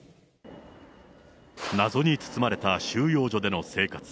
謎に包まれた収容所での生活。